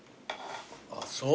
あぁそう。